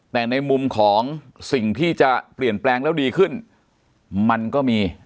แต่ในมุมของสิ่งที่จะเปลี่ยนแปลงแล้วดีขึ้นมันก็มี